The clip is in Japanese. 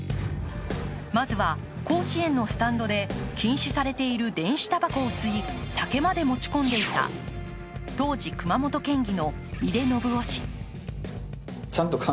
まずは、甲子園のスタンドで禁止されている電子タバコを吸い酒まで持ち込んでいた当時、熊本県議の井出順雄氏。